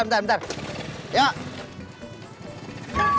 bentar bentar bentar